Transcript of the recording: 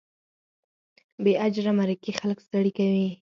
بې اجره مرکې خلک ستړي کوي.